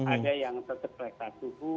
ada yang tetap suhu